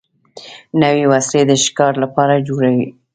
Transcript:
نوې وسلې د ښکار لپاره جوړې شوې.